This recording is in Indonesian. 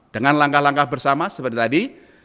dengan langkah langkah bersama seperti tadi